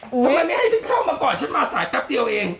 ทำไมไม่ให้ฉันเข้ามาก่อนฉันมาสายแป๊บเดียวเอง